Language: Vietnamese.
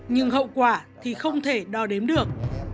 nhưng hậu quả thì không thể đo đếm được